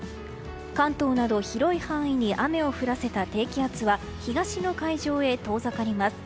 関東など広い範囲に雨を降らせた低気圧は東の海上へ遠ざかります。